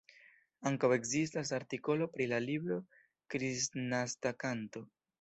Ankaŭ ekzistas artikolo pri la libro Kristnaska Kanto".